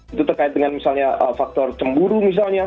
itu terkait dengan misalnya faktor cemburu misalnya